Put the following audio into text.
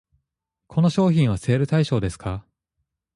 この商品はセール対象ですか？